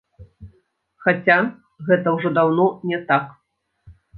Хаця гэта ўжо даўно не так.